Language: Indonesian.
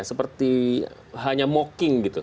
seperti hanya mocking gitu